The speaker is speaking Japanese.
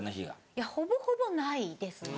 いやほぼほぼないですね。